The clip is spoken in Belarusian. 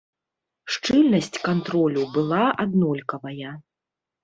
Шчыльнасць кантролю была аднолькавая.